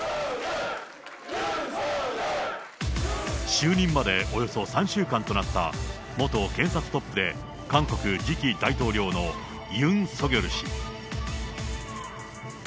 就任までおよそ３週間となった元検察トップで、韓国次期大統領のユン・ソギョル氏。